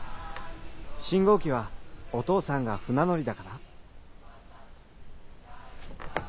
信号旗はお父さんが船乗りだから？